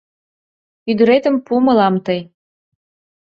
Ӱдыретым пу мылам тый